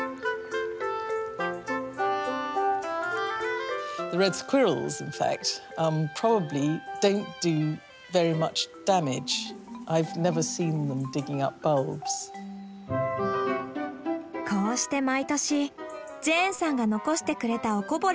こうして毎年ジェーンさんが残してくれたおこぼれを頂戴するんだ。